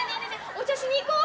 お茶しに行こう！